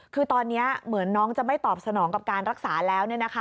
คือตอนนี้เหมือนน้องจะไม่ตอบสนองกับการรักษาแล้ว